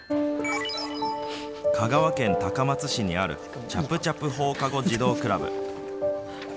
香川県高松市にあるちゃぷちゃぷ放課後児童クラブ。